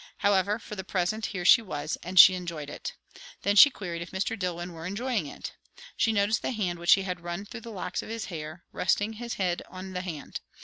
However, for the present here she was, and she enjoyed it. Then she queried if Mr. Dillwyn were enjoying it. She noticed the hand which he had run through the locks of his hair, resting his head on the hand.